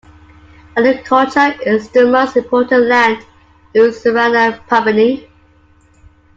Agriculture is the most important land use around Bampini.